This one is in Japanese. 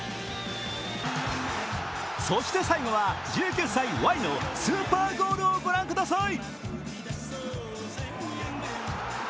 そして最後は、１９歳・ワイのスーパーゴールをご覧ください。